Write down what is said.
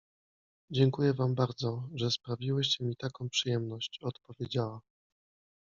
— Dziękuję wam bardzo, że sprawiłyście mi taką przyjemność! — odpowiedziała.